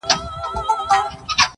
یو په یو به را نړیږي معبدونه د بُتانو-